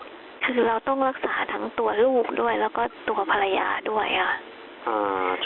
คือเราต้องรักษาทั้งตัวลูกด้วยแล้วก็ตัวภรรยาด้วยค่ะ